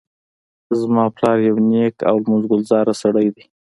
زما پلار یو نیک او لمونځ ګذاره سړی ده